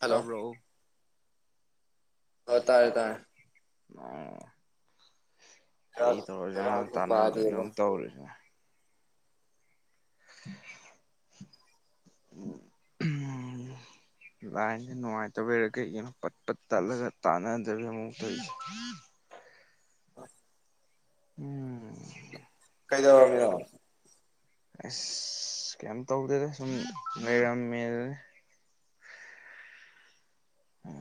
hello ꯇꯥꯕ꯭ꯔꯣ ꯍ ꯇꯥꯏꯦ ꯇꯥꯏ ꯑꯣ ꯀꯩ ꯕꯦꯔꯥ ꯇꯧꯔꯖ ꯇꯥꯟꯅꯗ ꯌ ꯄꯥꯗꯦꯕ ꯇꯧꯔꯨꯁꯤꯅ ꯎꯝ ꯂꯥꯏꯁ ꯅꯨꯡꯉꯥꯏꯇꯕꯩꯔꯥ ꯀꯩꯒꯤꯅꯣ ꯄꯠ ꯄꯠ ꯇꯠꯂꯒ ꯇꯥꯟꯅꯗꯕꯦ ꯑꯃ ꯍꯣꯏ ꯎꯝ ꯀꯩꯗꯕꯃꯤ ꯑꯁ ꯀꯩ ꯇꯧꯗꯦꯔꯦ ꯁꯨꯝ ꯂꯩ ꯃꯦ ꯎꯝ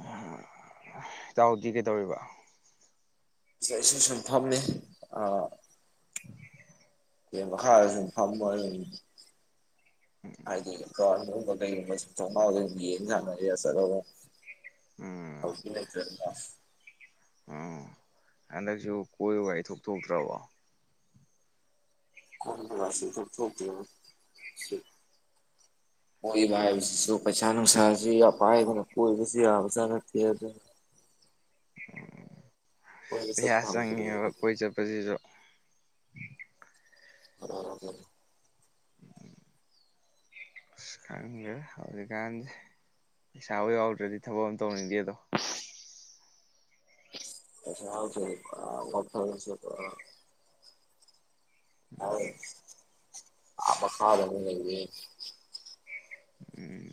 ꯆꯥꯎꯗꯤ ꯀꯩ ꯇꯧꯔꯤꯕ ꯁꯤ ꯑꯩꯁꯨ ꯁꯨꯝ ꯐꯝꯅꯤ ꯑ ꯍꯥ ꯐꯃ ꯍꯥꯏꯗꯤ ꯁꯠꯇꯃ ꯑꯣꯏ ꯌꯦꯖ ꯃꯔ ꯁꯗꯔ ꯎꯝ ꯑꯣꯐ ꯎꯝ ꯍꯟꯗꯛꯁꯨ ꯀꯣꯏꯕ ꯏꯊꯣꯛ ꯊꯣꯛꯇ꯭ꯔꯕꯣ ꯀꯔ ꯔꯁꯤ ꯐ ꯊꯣꯛꯇ ꯁꯤ [inaudible] ꯀꯣꯏꯕ ꯁ ꯄꯩꯁꯥꯅꯅꯨꯡꯁꯥꯁꯨ ꯄꯥꯏꯒꯅ ꯀꯣꯏꯁꯨ ꯌꯥꯥ ꯑꯗꯨ ꯀꯣꯏꯕ ꯆꯠꯄ ꯄꯩꯁ ꯐꯪꯗ꯭ꯔꯦ ꯆꯪꯉꯦꯕ ꯀꯣꯏ ꯆꯠꯄꯁꯤꯁꯨ ꯎꯝ ꯃꯔꯔꯔꯕꯔꯕꯅꯤ ꯍꯧꯖꯤꯀ ꯄꯩꯁꯥ ꯑꯣꯏ ꯋꯥꯥꯎꯇ꯭ꯔꯦꯗꯤ ꯊꯕꯛ ꯑꯃ ꯇꯧꯅꯤꯗꯦꯗꯣ ꯁ ꯌꯥꯁꯦꯊꯁ ꯑ ꯑ ꯈꯥ ꯑꯗꯨ ꯂꯩ ꯎꯝ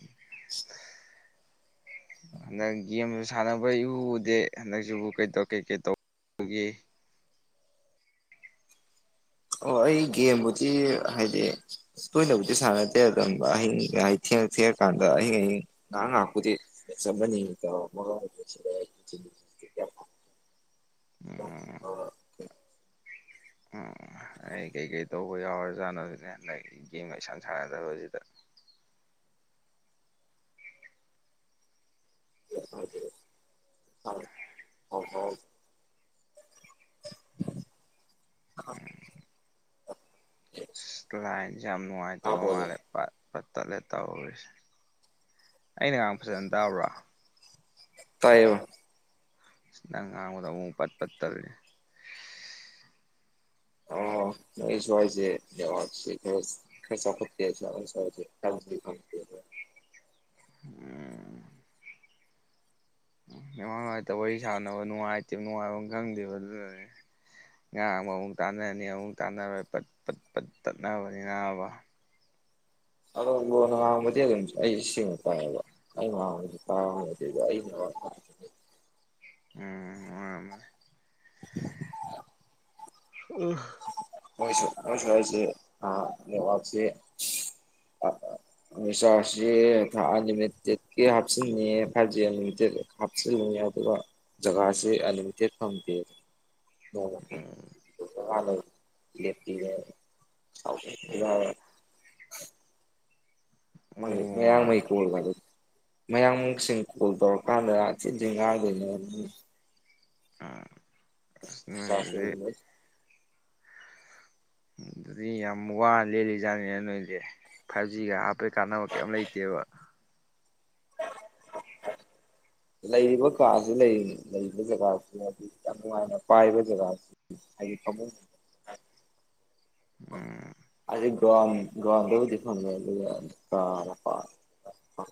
ꯍꯟꯗꯛ ꯒꯦꯝꯁꯨ ꯁꯥꯟꯅꯕ ꯏꯎꯗꯦ ꯍꯟꯗꯛꯁꯤꯕꯨ ꯀꯩꯧ ꯀꯩꯀꯩ ꯇꯧ ꯑꯒꯦ ꯑꯣ ꯑꯩ ꯒꯦꯝꯕꯨꯗꯤ ꯍꯥꯏꯗꯤ ꯇꯣꯏꯅꯕꯨꯗꯤ ꯁꯥꯟꯅꯗꯦ ꯑꯗꯨ ꯑꯍꯤꯡꯒ ꯍꯥꯏꯗꯤ ꯐꯦꯔꯀꯥꯟꯗ ꯍ ꯑꯌꯤꯡ ꯉꯥꯏꯍꯥꯛ ꯉꯥꯏꯍꯥꯛꯄꯨꯗꯤ ꯆꯕꯅꯤ [inaudible] [inaudible] ꯑꯩ ꯀꯩꯀꯩ ꯇꯧꯕ ꯌꯥꯎꯔꯖꯥꯠꯅꯣꯁꯤꯅꯦ ꯍꯟꯗꯛ ꯒꯦꯝꯒꯩꯁꯟ ꯁꯥꯟꯅꯗꯕꯁꯤꯗ [inaudible] ꯖꯦ ꯍꯣꯡ ꯍꯣꯡ [inaudible] ꯂꯥꯏꯁꯦ ꯌꯥꯝ ꯅꯨꯡꯉꯥꯏꯇꯕ ꯃꯥꯜꯂꯦ ꯄ ꯐꯠ ꯇꯠꯂꯦ ꯇꯧꯔꯤꯁꯦ ꯑꯩꯅꯒꯥꯡ ꯐꯖꯅ ꯇꯥꯕ꯭ꯔꯥ ꯇꯥꯏꯕ ꯅꯪ ꯉꯥꯡꯕꯗ ꯑꯃꯨꯛ ꯄꯠ ꯄꯠꯇꯔꯦ [inaudible] ꯁꯋꯥꯏꯁ ꯗꯦꯋꯥ ꯈ ꯈꯔ ꯆ ꯐ [inaudible] ꯎꯝ ꯃꯃꯥꯡ ꯅꯨꯡꯉꯥꯏꯇ ꯋꯥꯔꯤ ꯁꯥꯟꯅꯕ ꯅꯨꯡꯉꯥꯏꯇꯦꯕ ꯅꯨꯡꯉꯥꯏꯕ ꯈꯪꯗꯦꯕ ꯑꯗꯨ ꯉꯥꯡꯕ ꯑꯃꯨꯛ ꯇꯥꯟꯅꯔꯅꯤ ꯑꯃꯨꯛ ꯇꯥꯟꯅꯔꯣꯏꯠꯠ ꯄꯠ ꯇꯠꯅꯕꯅꯤ ꯉꯥꯡꯕ ꯑꯣ ꯃ ꯑꯗꯨ ꯁꯤ [inaudible] ꯎꯝ ꯑꯣꯃ [inaudible] ꯎ ꯍꯧꯣꯏꯁꯨ ꯑꯣꯏ ꯁ ꯍꯥꯏꯥꯏꯁ ꯅ ꯋꯥꯕꯁꯤ ꯎꯣ ꯑ ꯑꯂꯤꯃꯤꯇꯦꯀꯤ ꯍꯥꯞꯁꯤꯅꯤ ꯐꯥꯏꯚ ꯇꯦ ꯍꯥꯞ ꯑꯗꯨꯒ ꯖꯒꯥꯁꯤ ꯑꯟꯂꯤꯃꯤꯇꯦꯠ ꯐꯪꯗꯦ ꯎꯝ ꯋꯥꯦꯤ ꯃ ꯑꯣ ꯃꯌꯥꯡꯂꯃꯩ ꯀꯔ ꯃ ꯑꯗꯨ ꯃꯌꯥꯡꯃꯁꯤꯡ ꯀꯣꯜ ꯇꯧꯔꯀꯥꯟꯗ ꯆꯤꯖꯤꯡ ꯉꯥꯏꯗꯣꯏꯅꯦ ꯔꯤꯆꯥꯔꯖ ꯗꯤ ꯇꯧꯔꯤꯉꯩ ꯎꯝ ꯑꯗꯨꯗꯤ ꯌꯥꯝ ꯋꯥꯅ ꯂꯦꯜꯂꯤꯖꯥꯠꯅꯤꯅ ꯅꯣꯏꯁꯦ ꯐꯥꯏꯚ ꯖꯤꯒ ꯍꯥꯞꯄꯩ ꯀꯥꯟꯅꯕ ꯀꯩ ꯂꯩꯇꯦꯕ ꯎꯝ ꯂꯩꯔꯤꯕ ꯀꯥꯁꯤ ꯂꯩꯔꯤ ꯂꯩꯔꯤꯕ ꯖꯒꯥꯁꯤꯗꯤ ꯌꯥꯝ ꯅꯨꯡꯉꯥꯏꯅ ꯄꯥꯏꯕ ꯖꯒꯥꯁꯤ ꯍꯥꯏ ꯐꯃ [inaudible] ꯎꯝ ꯑꯩ ꯕ꯭ꯔꯥꯎꯟ ꯕ꯭ꯔꯥꯎꯟꯗꯕꯨꯗꯤ ꯐꯪꯉꯦ ꯑꯗꯨꯒ [unintelligible]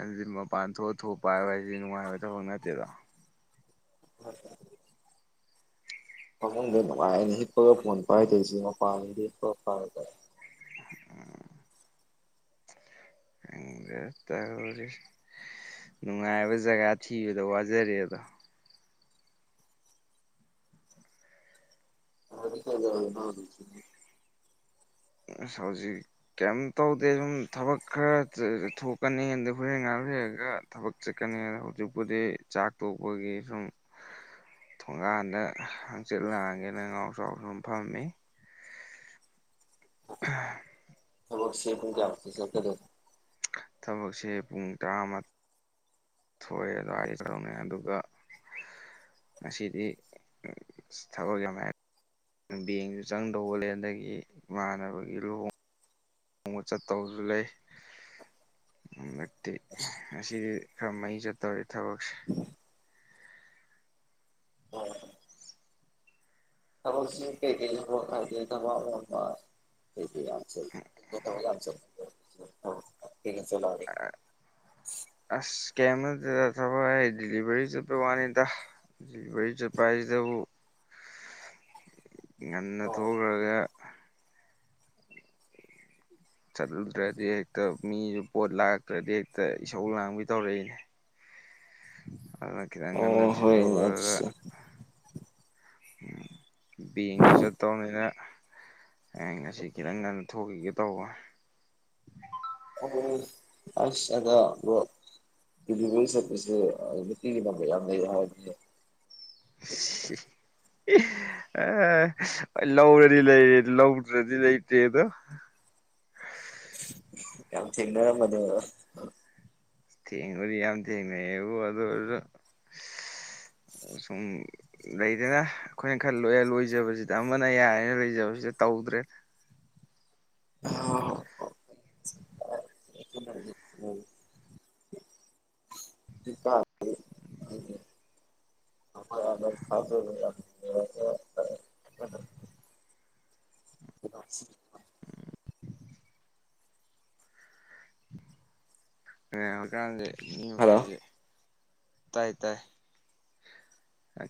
ꯑꯗꯨꯗꯤ ꯃꯄꯥꯟ ꯊꯣꯛꯑ ꯊꯣꯛꯄ ꯍꯥꯏꯕ ꯍꯥꯏꯗꯤ ꯅꯨꯡꯉꯥꯏꯕ ꯊꯕꯛ ꯅꯠꯇꯦꯗꯣ ꯍꯣꯏ ꯐꯃꯨꯡꯗ ꯅꯨꯡꯉꯥꯏꯅ ꯍꯤꯞꯄꯒ ꯐꯣꯟ ꯄꯥꯏꯗꯣꯏꯁꯤ ꯃꯄꯥꯟꯗ ꯍꯤꯞꯄꯒ [unintelligible] ꯈꯪꯗꯦ ꯇꯧꯔꯤꯁꯦ ꯅꯨꯡꯉꯥꯏꯕ ꯖꯒꯥ ꯊꯤꯕꯗ ꯋꯥꯖꯔꯦ ꯑꯗꯣ [unintelligible] ꯑꯁ ꯍꯧꯖꯤꯛ ꯀꯦꯝꯇꯧꯗꯦ ꯁꯨꯝ ꯊꯕꯛ ꯈꯔ ꯊꯣꯛꯀꯅꯤ ꯍꯣꯔꯦꯟ ꯉ ꯂꯩꯔꯒ ꯊꯕꯛ ꯆꯠꯀꯅꯤ ꯑꯗꯣ ꯍꯧꯖꯤꯛꯄꯨꯗꯤ ꯆꯥꯛ ꯇꯣꯛꯄꯒꯤ ꯁꯨꯝ ꯊꯣꯡꯒꯥꯟꯗ ꯍꯥꯡꯆꯤꯠ ꯂꯥꯡꯒꯦꯅ ꯉꯥꯎ ꯆꯥꯎ ꯁꯨꯝ ꯐꯝꯃꯤ [unintelligible] ꯊꯕꯛꯁꯤ ꯄꯨꯡ ꯀꯌꯥ ꯃꯨꯛꯀ ꯆꯠꯀꯗꯒꯦ ꯊꯕꯛꯁꯦ ꯄꯨꯡ ꯇꯔꯥꯃ ꯊꯣꯛꯑꯦ ꯑꯗꯨꯋꯥꯗꯧꯅꯦ ꯑꯗꯨꯒ ꯉꯁꯤꯗꯤ ꯊꯕꯛ ꯌꯥꯝꯃꯦꯍꯦ ꯕꯦꯡꯁꯨ ꯆꯪꯗꯧꯕ ꯂꯩ ꯑꯗꯒꯤ ꯏꯃꯥꯟꯅꯕꯒꯤ ꯂꯨꯍꯣꯡ ꯍꯣꯡꯕ ꯆꯠꯇꯧꯕꯁꯨ ꯂꯩ ꯍꯟꯗꯛꯇꯤ ꯉꯁꯤꯗꯤ ꯈꯔ ꯃꯩ ꯆꯠꯇꯧꯔꯤ ꯊꯕꯛꯁꯦ ꯊꯕꯛꯁꯤ ꯀꯩ ꯀꯩ [unintelligible] [unintelligible] [unintelligible] ꯀꯦꯝ ꯅꯠꯇꯦꯗ ꯊꯕꯛ ꯑꯩ ꯗꯦꯂꯤꯚꯔꯤ ꯆꯠꯄꯩ ꯋꯥꯅꯤꯗ ꯗꯦꯂꯤꯚꯔꯤ ꯆꯠꯄ ꯍꯥꯏꯁꯤꯗꯕꯨ ꯉꯟꯅ ꯊꯣꯛꯈ꯭ꯔꯒ ꯆꯠꯂꯨꯗ꯭ꯔꯗꯤ ꯍꯦꯛꯇ ꯃꯤꯁꯨ ꯄꯣꯠ ꯂꯥꯛꯇ꯭ꯔꯗꯤ ꯍꯦꯛꯇ ꯏꯁꯧ ꯂꯥꯡꯕꯤ ꯇꯧꯔꯛꯏ ꯑꯗꯨꯅ ꯈꯤꯇꯪ ꯉꯟꯅ ꯑꯣ ꯍꯣꯏꯅꯦ ꯊꯤꯟꯗꯣꯛꯎꯔꯒ ꯑꯗꯨꯁꯨ ꯎꯝ ꯕꯦꯡꯁꯨ ꯆꯠꯇꯧꯅꯤꯅ ꯑ ꯉꯁꯤ ꯈꯤꯇꯪ ꯉꯟꯅ ꯊꯣꯛꯈꯤꯒꯦ ꯇꯧꯕ ꯑꯁ ꯑꯗꯣ ꯗꯤꯂꯤꯚꯔꯤ ꯆꯠꯄꯁꯦ ꯅꯨꯡꯇꯤꯒꯤ ꯊꯕꯛ ꯌꯥꯝ ꯂꯩ ꯍꯥꯏꯕꯅꯦ [unintelligible] ꯂꯧꯔꯗꯤ ꯂꯩꯔꯦ ꯂꯧꯗ꯭ꯔꯗꯤ ꯂꯩꯇꯦꯗꯣ [unintelligible] ꯌꯥꯝ ꯊꯦꯡꯅꯔꯝꯃꯗꯣ ꯊꯦꯡꯕꯨꯗꯥ ꯌꯥꯝ ꯊꯦꯡꯅꯩ ꯑꯕꯨ ꯑꯗꯨ ꯑꯣꯏꯁꯨ ꯁꯨꯝ ꯂꯩꯗꯅ ꯑꯩꯈꯣꯏꯅ ꯈ ꯂꯣꯏꯌꯜ ꯑꯣꯏꯗꯕꯁꯤꯗ ꯑꯃꯅ ꯌꯥꯔꯦꯅ ꯂꯩꯖꯕꯁꯤ ꯇꯧꯗ꯭ꯔꯦ ꯑ [unintelligible] [unintelligible] [unintelligible] ꯑ ꯍꯧꯖꯤꯛꯀꯥꯟꯁꯦ ꯃꯤ ꯃꯈꯩꯁꯦ ꯇꯥꯏ ꯇꯥꯏ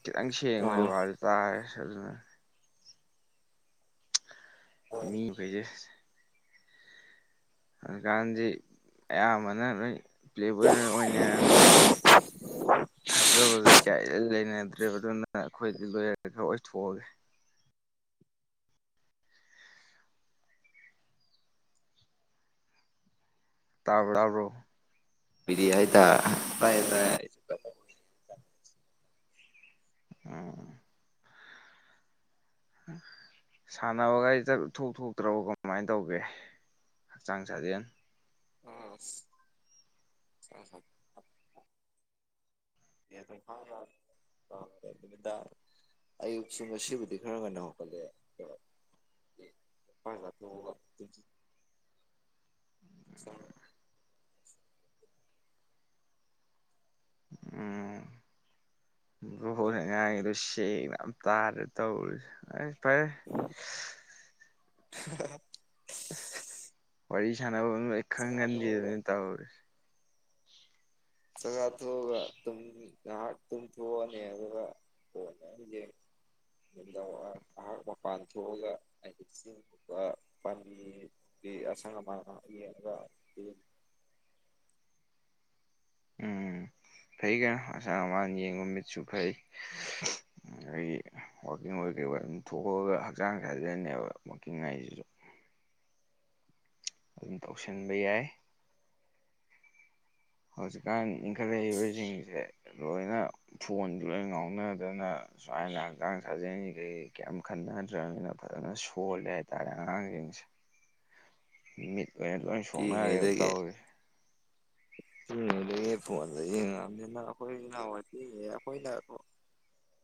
ꯈꯤꯇꯪ ꯁꯦꯡꯕꯗꯤ ꯑꯥ ꯋꯥꯠꯂꯤ ꯇꯥꯏ ꯑꯗꯨꯅ ꯃꯤ ꯈꯩꯖꯦ ꯍꯧꯖꯤꯛꯀꯥꯟꯗꯤ ꯑꯌꯥꯝꯕꯅ ꯂꯣꯏ ꯄ꯭ꯂꯦꯕꯣꯏ ꯂꯣꯏ ꯑꯣꯏꯅꯔꯝꯅꯤꯅ ꯊꯥꯖꯕꯁꯦ ꯀꯌꯥ ꯏꯂꯩ ꯂꯩꯅꯗ꯭ꯔꯦꯕ ꯑꯗꯨꯅ ꯑꯈꯣꯏꯗꯤ ꯂꯣꯏꯌꯜ ꯈꯔ ꯑꯣꯏꯊꯣꯛꯑꯒꯦ ꯇꯥꯕꯔ ꯇꯥꯕ꯭ꯔꯣ [unintelligible] ꯇꯥꯏ ꯇꯥꯏ ꯎꯝ ꯁꯥꯟꯅꯕꯒ ꯊꯣꯛ ꯊꯣꯛꯇ꯭ꯔꯕ ꯀꯃꯥꯏꯅ ꯇꯧꯒꯦ ꯍꯛꯆꯥꯡ ꯁꯥꯖꯦꯜ ꯎꯝ ꯑ ꯌꯦꯁꯨ ꯈꯥꯗꯥ ꯑꯌꯨꯛꯁꯨ ꯉꯁꯤꯕꯨꯗꯤ ꯈꯔ ꯉꯟꯅ ꯍꯧꯀꯠꯂꯦ ꯍ ꯂ ꯊ ꯁꯔꯃꯦ ꯎꯝ ꯌꯥ ꯆꯦꯡꯅ ꯌꯥꯝ ꯇꯥꯔꯦ ꯇꯧꯔꯨꯁꯦ ꯑꯩ ꯐꯔꯦ [unintelligible] ꯋꯥꯔꯤ ꯁꯅꯕ ꯑꯦ ꯈꯪꯒꯥꯟꯗ ꯇꯣꯛꯑꯒ ꯑꯗꯨꯅꯤ ꯇꯕꯨ ꯆꯒꯥ ꯊꯣꯛꯑꯒꯨꯝ ꯉꯥꯏꯍꯥꯛ ꯇꯨꯝ ꯊꯣꯛꯑꯅꯤ ꯑꯗꯨꯒ ꯍ ꯌꯥ ꯑꯩꯍꯥꯛ ꯃꯄꯥꯟ ꯊꯣꯛꯑꯒ ꯑꯩ ꯆꯁꯤꯡꯄ ꯄꯥꯝꯕꯤ ꯀ ꯑꯁ ꯃ [unintelligible] ꯎꯝ ꯐꯩ ꯀꯩꯅꯣ ꯑꯁꯥ ꯑꯃꯅ ꯌꯦꯡꯉ ꯃꯤꯠꯁꯨ ꯐꯩ ꯑꯩꯒꯤꯀꯤꯡ ꯑꯩꯈꯣꯏ ꯀꯩ ꯑꯗꯨꯝ ꯊꯣꯛꯑꯒ ꯍꯛꯆꯥꯡ ꯁꯥꯗꯅꯦꯕ ꯋꯀꯤꯡ ꯉꯥꯏꯁꯤꯁꯨ ꯑꯗꯨꯝ ꯇꯧꯁꯤꯟꯕ ꯌꯥꯏ ꯍꯧꯖꯤꯛꯀꯥꯟ ꯏꯟꯈꯠꯂꯛꯏꯕꯁꯤꯡꯁꯦ ꯂꯣꯏꯅ ꯐꯣꯟꯁꯨ ꯂꯣꯏ ꯉꯥꯎꯅꯗꯅ ꯁꯨꯃꯥꯏꯅ ꯍꯛꯆꯥꯡ ꯁꯥꯖꯦꯟꯁꯤꯒꯩ ꯀꯌꯥꯝ ꯈꯟꯅꯗ꯭ꯔꯕꯅꯤꯅ ꯐꯖꯅ ꯁꯣꯜꯂꯦ ꯍꯥꯏꯇꯥꯔꯦ ꯑꯉꯥꯡꯁꯤꯡꯁꯦ ꯃꯤꯠ ꯑꯣꯏꯅ ꯂꯣꯏ ꯁꯣꯛꯅꯔꯦꯕ ꯇꯧꯔꯤ ꯎ ꯑꯗꯨꯗꯒꯤ ꯐꯣꯟꯗ ꯌꯦꯡꯉꯛꯑꯕꯅꯤꯅ ꯑꯩꯈꯣꯏ ꯏꯅꯥꯍꯥꯟꯋꯥꯏꯗꯤ ꯑꯩꯈꯣꯏꯅ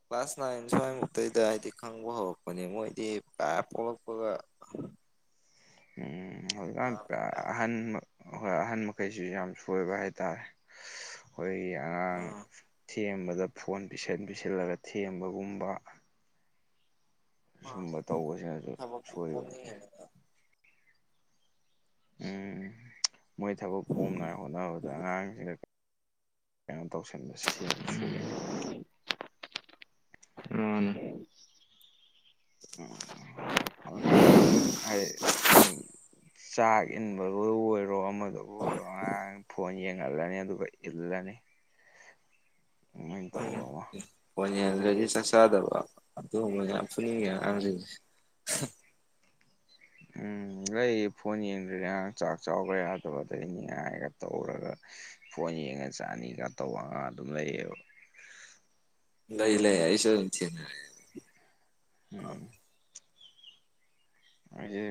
ꯀ꯭ꯂꯥꯁ ꯅꯥꯏꯟ ꯁ꯭ꯋꯥꯏꯃꯨꯛꯇꯩꯗ ꯍꯥꯏꯗꯤ ꯈꯪꯕ ꯍꯧꯔꯛꯄꯅꯦ ꯃꯣꯏꯗꯤ ꯀ ꯄꯣꯛꯂꯛꯄꯒ [unintelligible] ꯎꯝꯀ ꯌꯥꯝꯅ ꯑꯍꯟ ꯑꯩꯣꯏ ꯑꯍꯟ ꯃꯈꯩꯁꯤ ꯌꯥꯝ ꯁꯣꯏꯕ ꯍꯥꯏꯇꯥꯔꯦ ꯑꯩꯈꯣꯏꯒꯤ ꯑꯉꯥꯡ ꯎꯝ ꯊꯦꯝꯕꯗ ꯐꯣꯟ ꯄꯁꯤꯟ ꯄꯁꯤꯟꯂꯒ ꯊꯦꯝꯕꯒꯨꯝꯕ ꯁꯨꯝꯕ ꯇꯧꯕꯁꯤꯅꯁꯨ ꯊꯕꯛ ꯁꯣꯏꯕꯅꯤ ꯀꯣꯝꯅꯤꯡꯉꯤꯅꯤꯅ ꯎꯝ ꯃꯣꯏ ꯊꯕꯛ ꯄꯣꯝꯅꯉꯥꯏ ꯍꯣꯠꯅꯕꯗ ꯑꯉꯥꯡꯁꯤꯗ ꯀꯩꯅꯣ ꯇꯧꯁꯤꯟꯕ ꯁꯤ ꯁꯤꯌꯥꯁꯨ ꯁꯨꯒꯅꯤꯗ ꯑꯅꯦ ꯎ ꯀ ꯑꯦ ꯆꯥꯛ ꯏꯟꯕꯕꯨ ꯑꯣꯏꯔꯣ ꯑꯃꯗꯕꯨ ꯑꯣꯏꯔꯣ ꯑꯉꯥꯡ ꯐꯣꯟꯡ ꯑꯗꯅꯦ ꯑ ꯑꯗꯨꯩ ꯏꯗꯅꯦꯦ ꯍ ꯐꯅꯤ ꯑꯗꯒꯤ ꯆꯥꯛ ꯆꯥꯗꯕ ꯑꯗꯨꯒꯨꯝꯕ ꯌꯥꯝ ꯐꯨꯅꯤꯡꯉꯦ ꯑꯉꯥꯡꯁꯤꯡꯁꯦ ꯎꯝ ꯂꯩ ꯐꯣꯟ ꯌꯦꯡꯗ꯭ꯔꯅꯦ ꯆꯥꯛ ꯆꯥꯎꯈ꯭ꯔꯦ ꯌꯥꯗꯕꯗꯅꯤ ꯍꯥꯏꯒ ꯇꯧꯔꯒ ꯐꯣꯟ ꯌꯦꯡꯉ ꯆꯠꯑꯅꯤꯒ ꯇꯧꯔꯒ ꯑꯗꯨꯝ ꯂꯩꯌꯦꯕ ꯂꯏ ꯂꯩ ꯍꯥꯏꯏꯁꯨ ꯍꯧꯖꯤ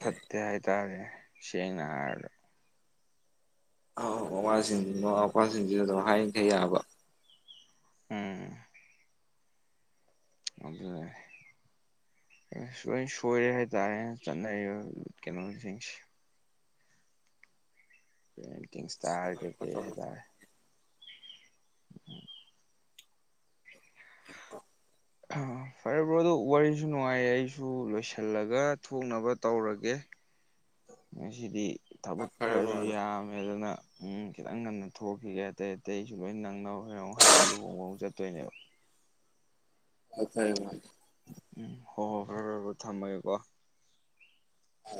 ꯐꯠꯇꯦ ꯍꯥꯏꯇꯥꯔꯦ ꯁꯦꯡꯅ ꯍꯥꯏꯒ ꯑ ꯃꯃꯁꯤꯡ ꯃꯃꯥ ꯃꯄꯥꯁꯤꯡꯁꯤꯁꯨ ꯑꯗꯨꯝ ꯍꯥꯏꯡꯈꯩ ꯌꯥꯕ ꯎꯝ ꯑꯗꯨꯗ ꯂꯣꯏ ꯁꯣꯏꯔꯦ ꯍꯥꯏꯇꯥꯔꯦ ꯆꯠꯅꯔꯤꯕ ꯀꯩꯅꯣꯁꯤꯡꯁꯦ ꯄ ꯏꯁꯇꯥꯔ ꯀꯩꯀꯩ ꯍꯥꯏꯇꯥꯔ ꯑ ꯐꯔꯕ꯭ꯔꯣ ꯑꯗꯨ ꯋꯥꯔꯤꯁꯨ ꯅꯨꯡꯉꯥꯏꯌꯦ ꯑꯩꯁꯨ ꯂꯣꯏꯁꯤꯜꯂꯒ ꯊꯣꯛꯅꯕ ꯇꯧꯔꯒꯦ ꯁꯤꯗꯤ ꯊꯕꯛ ꯈꯔ ꯈꯔꯁꯨ ꯌꯥ ꯃ ꯑꯗꯨꯅ ꯎ ꯈꯤꯇꯪ ꯉꯟꯅ ꯊꯣꯛꯈꯤꯒꯦ ꯍꯥꯏꯔ ꯑꯇꯩꯁꯨ ꯂꯣꯏ ꯅꯪꯅꯧ ꯍꯔꯧ ꯍꯜꯂꯜ ꯂꯨꯍꯣꯡꯕꯥꯎ ꯆꯠꯇꯣꯏꯅꯤ [unintelligible] ꯑ ꯊꯥꯏ ꯎꯝ ꯍꯣ ꯍꯣꯏ ꯐꯔꯦ ꯐꯔ ꯊꯝꯃꯒꯦꯀꯣ ꯍ